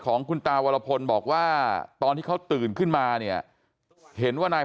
ของคุณตาวรพลบอกว่าตอนที่เขาตื่นขึ้นมาเนี่ยเห็นว่านาย